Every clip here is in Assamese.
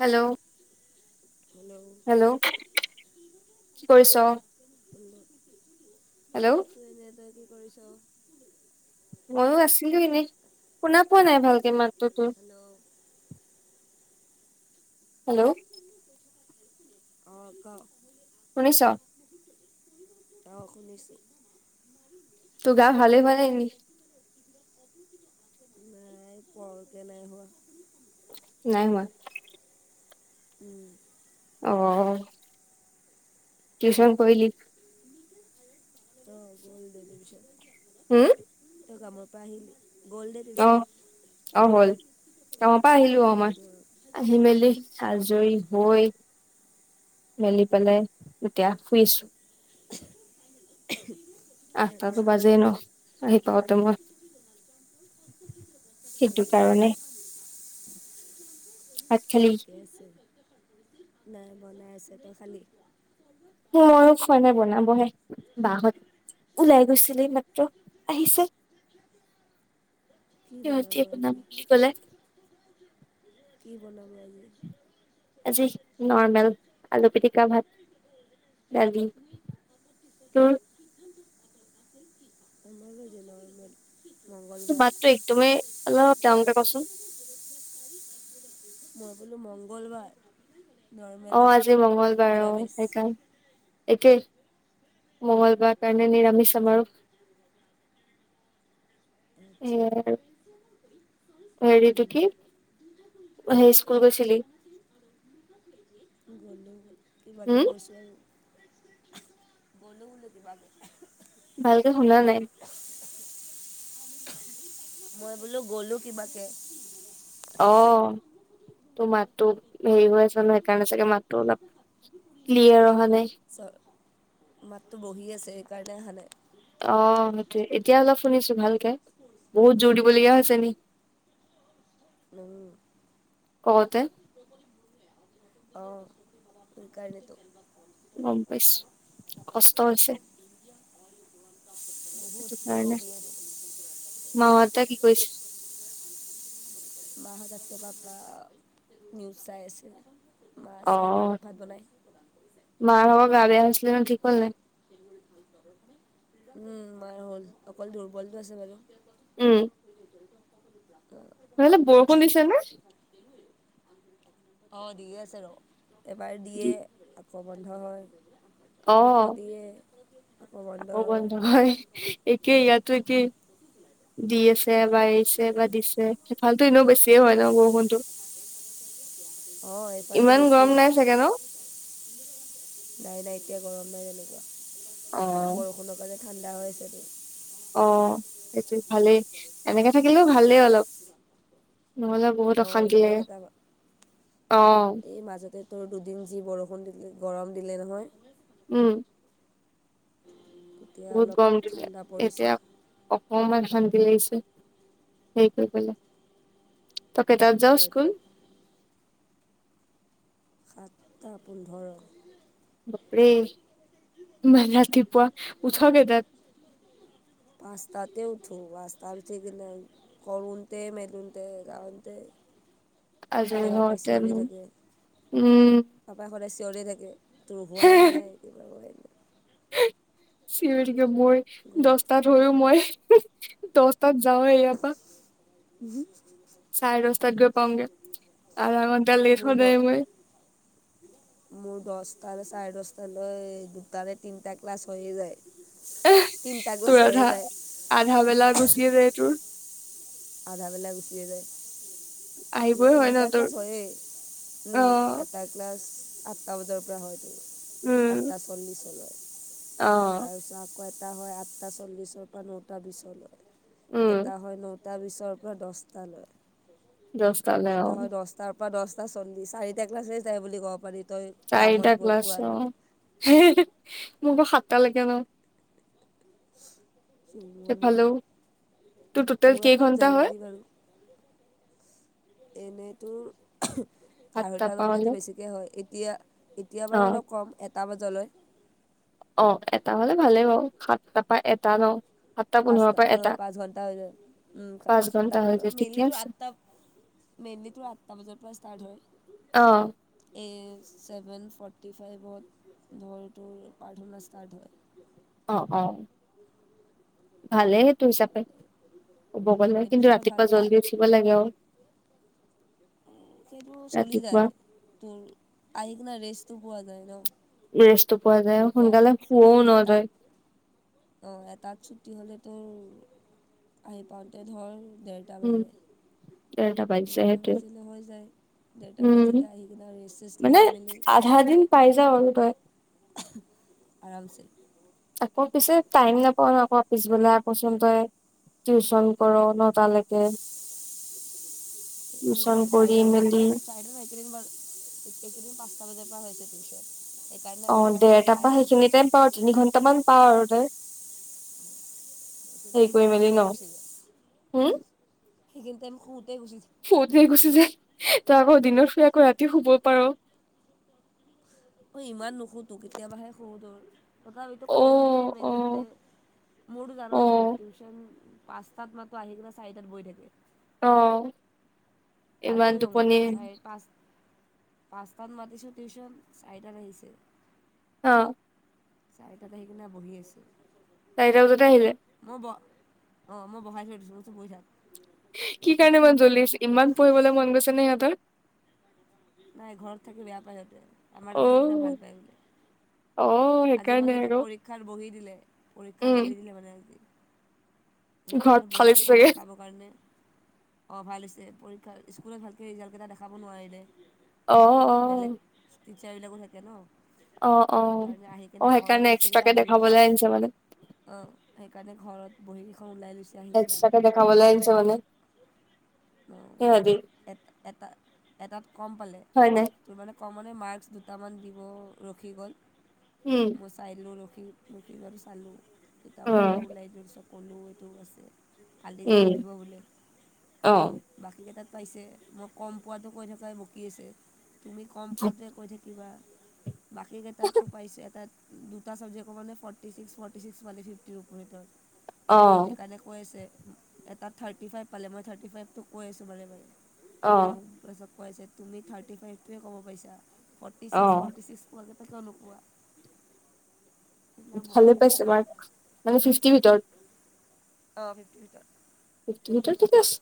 হেল্ল', হেল্ল' হেল্ল', কি কৰিছো? হেল্ল' আছো এনে তই কি কৰিছো? ময়ো আছিলো এনেই, শুনা পোৱা নাই ভালকে মাতটো তোৰ। হেল্ল'। হেল্ল'। অ' ক'। শুনিছো। অ' শুনিছো। তোৰ গা ভালেই হোৱা নাই নি? নাই পোৱা গে নাই হোৱা। নাই হোৱা। উম। অহ' টিউচন কৰিলি? [inaudible] অ' তই কামৰ পৰা হম আহিলি? গ'ল দেই অ টিউচন। অ' গ'ল। অঁ কামৰ পৰা আহিলো অ' মই, অঁ আহি মেলি আজৰি হৈ মেলি পেলাই এতিয়া শুইছো। [inaudible] আঠটাতো নাই বাজেই ন' আহি পাওঁতে মই। সেইটো কাৰণে ভাত খালি [inaudible] [unintelligible] নাই বনাই আছে। তই খালি? মইয়ো খোৱা নাই বনাবহে বা হঁত। ওলাই গৈছিল এই মাত্ৰ আহিছে। কি বনাব সিঁহতিয়ে বনাম আজি বুলি ক'লে। কি বনাবি আজি? আজি নৰ্মেল, আলু পিটিকা ভাত, দালি। তোৰ? [unintelligible] তোৰ মংগলবাৰ মাতটো একদমেই অলপ ডাঙৰকে ক'চোন। মই বোলো মঙ্গলবাৰ। অঁ আজি মঙ্গলবাৰ অ' নিৰামিষ সেইকাৰণ একেই। মংগলবাৰ কাৰণে নিৰামিষ আমাৰো। আচ্ছা। হেৰি এইটো কি হেই স্কুল গৈছিলি? গ'লো গ'লো। কিবাকে হম গৈছোঁ আৰু। [unintelligible] ভালকে শুনা নাই। মই বোলো গ'লোঁ কিবাকে। অহ'। তোৰ মাতটো হেৰি হৈ আছে ন সেইকাৰণে চাগে মাতটো অলপ ক্লিয়াৰ অহা নাই। চ' মাতটো বহি আছে সেইকাৰণে আহা নাই। অঁ, সেইটোৱে এতিয়া অলপ শুনিছো ভালকে। বহুত জোৰ দিবলগীয়া হৈছে নি? [inaudible] কওঁতে [unintelligible] [unintelligible] অঁহ। সেইকাৰণেটো। গম পাইছোঁ কষ্ট হৈছে। [unintelligible] সেইটো কি কাৰণে, কবি আৰু। মাঁহতে কি কৰিছে? মাহঁতে দেউতা পুৰা নিউজ চাই আছে, মাঁ আছে এনেই ভাত বনাই। মা ভাগৰ গা বেয়া হৈছিলে ন ঠিক হ'ল নাই? কি কৰি ভাল [unintelligible] উম, মাৰ হ'ল অকল দুৰ্বলতটো আছে বাৰু। উম। উ জড়িত আছে। ত সেইফালে বৰষুণ দিছে নে? অঁ দিয়ে আছে ৰ, এবাৰ দিয়ে নে আকৌ বন্ধ হয়। অ আকৌ দিয়ে। আকৌ বন্ধ হয়। একেই ইয়াতো একে দি আছে এবা এৰিছে বা দিছে সেইফালতো এনেও বেছিয়ে হয় ন বৰষুণটো। অ এইফালটো ইমান গৰম বেছিয়ে নাই চাগে ন? নাই নাই এতিয়া গৰম নাই কেনেকোৱা। অ বৰষুণৰ কাৰণে ঠাণ্ডা হৈ আছে। অ সেইটো ভালেই, এনেকে থাকিলেও ভালেই অলপ। নহলে বহুত অঁ অশান্তি এনেকৈ লাগে। থকা অঁ। এই মাজতে তোৰ দুদিন যি বৰষুণ দিলে, গৰম দিলে নহয়। উম। তেতিয়া বহুত অলপ গৰম দিলে ঠাণ্ডা পৰিছে এতিয়া অকমান শান্তি লাগিছে। সেইটোৰ ফালে। তই কেইটাত যাওঁ সেইটোৱেতো স্কুল? টা পোন্ধৰ। বপৰে ইমান ৰাতিপোৱা উঠ কেইটাত? পাঁচতাতে উঠো, পাচতাত উঠি কেনে কৰুনতে মেলোনতে যাওনতে আজৰি সদায় বাপাই হওঁতে চিঞৰি মোৰ থাকে। উম, পাপাই সদায় চিঞৰি থাকে, তোৰ হোৱাই নাই কিবা কয় চিঞৰিকে মই গৈ দহটাত হৈয়ো মই দহটাত যাওঁ ইয়াৰ পৰা। উহু চাৰে দস্তাত গৈ পাওঁগে আধা লেট মোৰ সদায় দৰ মই মোৰ দহটানে চাৰে দহটালৈ দুটানে তিনিটা ক্লাছ হৈয়ে যায়। এই, তিনিটা ক্লাছ তোৰ হৈয়ে আধা যায় আধা বেলা গুচিয়ে যায় তোৰ। আধাবেলা গুচিয়ে যায়। দুই আহিবই হয় ন তিনটা তোৰ ক্লাছ হয়েই অ উম এটা ক্লাছ আঠটা বজাৰ পৰা হয়তো উম আঠটা চল্লিছলৈ অ তাৰ পিছত আকৌ এটা হয় আঠটা চল্লিছৰ পৰা নটা বিচলৈ। উম এটা হয় নটা বিশৰ পৰা দহটা লৈ দহটালে অ এটা হয় দহ তাৰপৰা দহটা চল্লিচ চাৰিটা ক্লাছেই হৈ যায় বুলি ক'ব পাৰি, তই কামত গৈ পোৱালৈ মোক মোৰট সাতটালৈকে বাও। জমনি সেইফালেও তোৰ টোটেল মোৰ আক কেইঘন্টা হয় জলদি বাৰু। এনেইতো আঢ়ৈটা সাতটাৰ পৰা নহ'লেতো হ'লে বেছিকে হয়। ইয়া এতিয়া অ বাৰু অলপ কম, এটা বজালৈ। অঁ, এটা হলে ভালেই বাও সাতটাৰ পৰা এটা ন। সাতটা পোন্ধৰৰ পচটা পৰা অঁ, এটা পাঁচ ঘণ্টা হৈ যায় হৈ পাঁচ ঘন্টা হৈ যায়। ঠিকে মেইনলি তু আছে আঠতা মেইনলি তোৰ আঠটা বজাৰ পৰা ষ্টাৰ্ট হয়। অঁ। এই ছেভেন ফৰ্টি ফাইভত ধৰ এইটো প্ৰাৰ্থনা ষ্টাৰ্ট হয়। অ অ ভালেই সেইটো হিচাপে। কব গলে সেইটো কিন্তু হিচাপত ভাল ৰাতিপুৱা আ- জল্দি উঠিব লাগে আও। সেইটো চলি ৰাতিপুৱা যায়, তোৰ আহিখিনি ৰেষ্টটো পোৱা যায় ন। ৰেষ্টটো পোৱা তোৰ যায়, এতিয়া সোনকালে শুুৱও ন তই অঁ এটাত ছুটি হ'লে তো, আহি পাওঁতে ধৰ দেৰ টা উম বাজে, দেৰটা বাজিছে ডেৰটা সেইটোৱে বাজিলে হৈ যায়। ডেৰটা উম বাজিলে আহিকিনি ৰেষ্ট চেছষ্ট মানে লৈ মেলি আধা দিন পাই যাও আৰু তই আৰামচে আকৌ পিছে টাইম নাাপাও ন আকৌ পিছবেলাক আকৌ চোন তই টিউচন কৰঅ, নতালৈকে। [inaudible] সেইটোৱে কৰি চাৰিটা বজাত মেলি চাৰিটা কেইদিন মান এইকেইদিন পাঁচটা বজাৰ পৰা হৈছে টিউচন, সেইকাৰণে অ অকমান দেৰটাৰ পাই পৰা আছোঁ সেইখিনি তোৰ টাইম পাও তিনি ঘন্টামান পাও আৰু তই, এইখিনি হেৰি টাইম কৰি মেলি ন। শুওঁতেই গুচি যায় হুম সেইখিনি তাইম শুওঁতে গুচি যায়। শুওঁতেই গুচি যায়, তই আকৌ দিনত শুই আকৌ ৰাতি শুবই পাৰ। অই ইমান নোশুটো কেতিয়াবাহে শুওঁ ত তথাপিতো কৰোঁতে অ', মেলোতে অ', মোৰটো জানই দেখোন অ', টিউচন পাঁচটাত মাতো আহি কিনে চাৰিটাত বহি থাকে। অঁ আজিও জমনি চাৰি পাঁচ পাঁচটাত মাতিছোঁ টিউচন চাৰিটাত আহিছে। অঁ চাৰিটাত আহিকিনে বহি আছে। চাৰিটা বজাতে আহিলে। মই বহ অঁ মই বহাই থৈ দিছোঁ, মই কৈছোঁ বহি থাক। কি কাৰণে ইমান জল্দি আহিছে ইমান পঢ়িবলৈ মন গৈছে নে সিহঁতৰ। নাই ঘৰত থাকি বেয়া পায় ইহঁতে, আমাৰ তাতে আহিকিনে অ', ভাল পায় বোলে। অ', আজি সেইকাৰণে মানে তোৰ আকৌ পৰীক্ষাৰ বহী দিলে, পৰীক্ষাৰ উম, বহী দিলে মানে আজি। ঘৰত সেইকাৰণে ফালিছে বহীকেইখন চাগে দেখাব। কাৰণে, অঁ ভাল হৈছে পৰীক্ষাৰ স্কুলত ভালকৈ ৰিজাল্ট কেইটা দেখাব নোৱাৰিলে। অ অ বেলেগ টিচাৰবিলাকো থাকে ন, অ', অ', সেইকাৰণে আহি অ', কিনে সেইকাৰণে ঘৰত গোটেই এক্সট্ৰাকে কেইটা বহি দেখাবলৈ আনিছে মানে কেইখন অঁ, সেইকাৰণে ঘৰত বহীকেইখন ওলাই দিছ এক্সট্ৰাকে দেখাবলৈ আহিছে মানে, অঁ সেয়াই যি এ এটা এটাত কম পালে। হয় নাই। তোৰ মানে কমনে মাৰ্কছ দুটামান দিব ৰখি গ'ল। উম। চাইলোঁ ৰখি ৰখি গল চালোঁ কিতাপৰ উম, পৰা ওলাই যোওঁ চকলো এইটো আছে। কালি উম, শুধিব বোলে। অ', বাকীকেইটাত পাইছে, মই কম পোৱাতটো কৈ থকাই বকি আছে। তুমি কম পোৱাটোৱেই কৈ থাকিবা, বাকীকেইটাততো পাইছোঁ এটাত দুটা চাবজেক্টকো মানে ফৰ্টিচিক্স ফৰ্টিছিক্স মানে ফিফটিৰ ওপৰত অ', তেওঁৰ কৈ আছে এটাত থাৰ্টি ফাইভ পালে মই থাৰ্টি ফাইভটোক কৈ আছোঁ বাৰে বাৰে অ', মোক [unintelligible] তুমি থাৰ্টি ফাইভটোৱে ক'ব পাৰিছা ফৰ্টি ছিক্স, অ', ফৰ্টি ছিক্স কলে তাকেও নোপোৱা ভালে পাইছে মাৰ্ক মানে ফিফটিৰ ভিতৰত অ ফিফটি ভিতৰত ফিফটি ভিতৰত ঠিকে আছে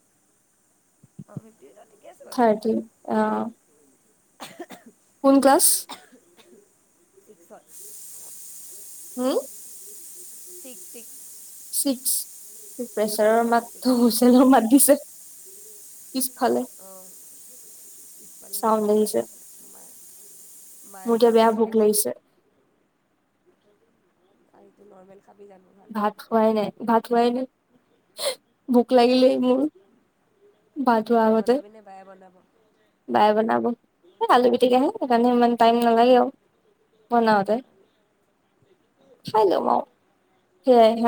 অ ফিফটি ভিতৰত ঠিকে আছে থাৰ্টি অ', বাৰু কোন ক্লাছ ফিজিক্সত হুউম ঠিক ঠিক ছিক্স প্ৰেছাৰৰ অঁ মাততো ছিক্সত হুইছে ছেল মাতিছে পিছফালে অ পিছফালে চাউণ্ড হুইছেল মায়ি আহিছে আছে মায়ে মায়ে মোৰ এতিয়া ভাত বেয়া বনাই ভোক আছে লাগিছে আৰু এইটো নৰ্মেল খাবি যানোহ ভাত হোৱাই নাই ভাত হোৱাই নাই ভোক লাগিলেই মোৰ ভাত তই বনাবি নে বায়ে বনাব বাইয়ে বনাব এই আলু পিটিকাহে সেইকাৰণে ইমান টাইম নালাগে আৰু বনাওতে ভিনদেউ খাইলম আও আহিলে [unintelligible]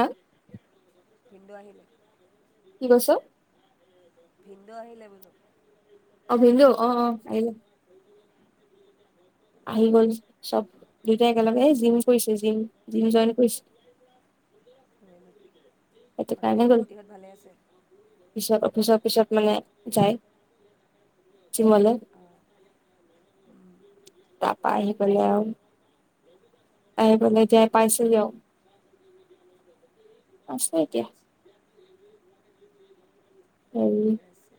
ভিনদেউ আহিলে কি কৈছ ভিনদেউ আহিলে বোলো অ ভিনদেউ অ অ আহিলে। আহি গ'ল চব দুয়টাই একেলগে জিম কৰিছে জিম জিম জইন কৰিছে [unintelligible] সেইটো বাকী কাৰণে গলো আণ্টিহঁত ভালে আছে পিছত অফিচৰ পিছত মানে যায় জিমলে অঁ তাপা আহি পালে আও আহি পেলাই এতিয়াই পাইছোহি আও [unintelligible] আছে এতিয়া সেৰি ঠিকে আছে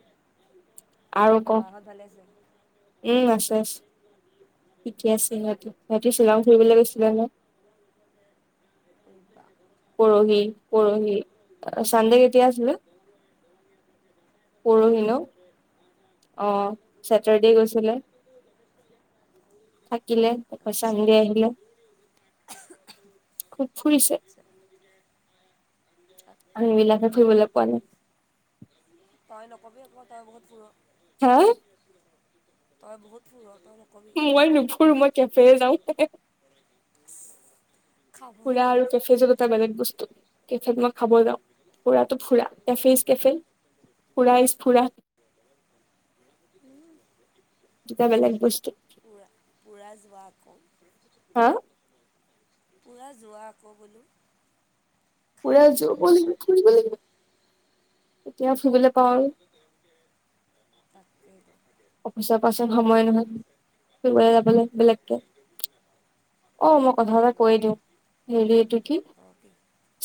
মাহঁত ভালে আছে উম আছে আছে ঠিক আছে সিহঁতে সিহঁতি শ্বিলং ফুৰিবলে গৈছিলা নে [unintelligible] পৰহি পৰহি চানদে কেতিয়া আছিলে পৰহি [unintelligible] অ চেটাৰডে গৈছিলে থাকিলে তাপা আচ্ছা চানডে আহিলে খুব ফুৰিছে আচ্ছা আমি তাকেইতো বিলাকে ফুৰিবলে পোৱা নাই তই নকবি আক তই বহুত ফুৰ হেএ তাই বহুত [unintelligible] মই নুফুৰু মই কেফে হে যাওঁ [inaudible] খাবলৈ ফূৰা আৰু কেফে [unintelligible] এটা বেলেগ বস্তু। কেফেত মই খাব যাওঁ, ফুৰাতো ফুৰা কেফে ইছ কেফে। ফুৰা ইচ ফুৰা। দুইটা বেলেগ বস্তু। পূৰা যোৱা আকৌ। আ? পূৰা যোৱা আকৌ বোলো। পূৰা খাবলৈ যৌব লাগিব ফুৰিব লাগিব। এতিয়া ফুৰিবলৈ পাওঁ আৰু তাকে। অফিচৰ পাছত সময় নহয় ফুৰিবলে যাবলে বেলেগকে। অ', মই কথা এটা সেইটোৱে কৈয়ে দিওঁ হেৰি এইটো কি অঁ কি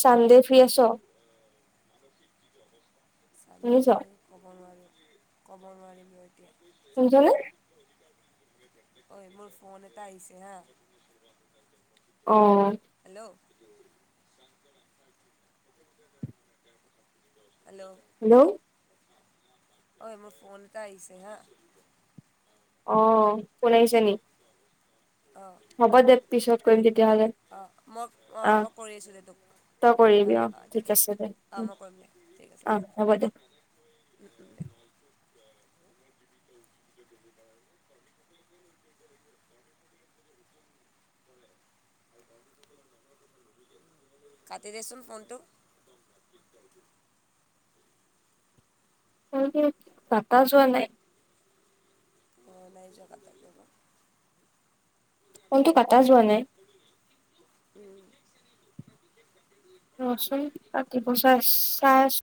চান্দে ফ্ৰী আছ? শুনিছ চানডে ক'ব নোৱাৰোঁ, ক'ব নোৱাৰিম মই এতিয়া চাব শুনিছনে লাগিব। ঐ মোৰ ফোন এটা আহিছে হা। অ হেল্ল'। হেল্ল'। হেল্ল'। ঐ মোৰ ফোন এটা আহিছে হা। অ', ফোন আহিছে নি? অ'। হ'ব দে পিছত কৰিম তেতিয়াহ'লে। অ', মই অ', আহ মই কৰি আছো দে তোক। তই কৰিবি অ', অ', দে ঠিক আছে অ', মই কৰিম দে ঠিক আছে। আহ হ'ব দে উম, উম, দে। কাটি দেচোন ফোনটো। ফোনটো কাটা যোৱা নাই। নাই যোৱা [inaudible] কাজিৰঙা ফোনটো কাটা যোৱা নাই। উম। ৰচোন কাটিব চা-চাই আছ